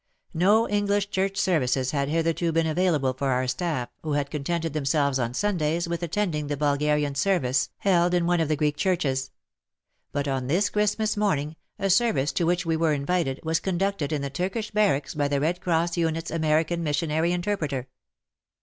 No English Church services had hitherto been available for our staff, who had contented themselves on Sundays with attending the Bulgarian service held in one of the Greek churches. But on this Xmas morning a ser vice, to which we were invited, was con ducted in the Turkish Barracks by the Red Cross Unit's American missionary interpreter.